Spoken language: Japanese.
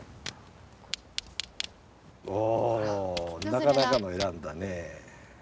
なかなかの選んだねぇ。